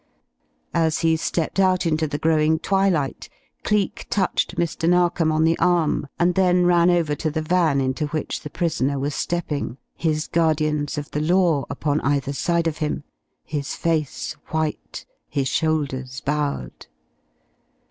As he stepped out into the growing twilight Cleek touched Mr. Narkom on the arm and then ran over to the van into which the prisoner was stepping, his guardians of the law upon either side of him, his face white, his shoulders bowed.